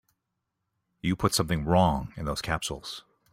You put something wrong in those capsules.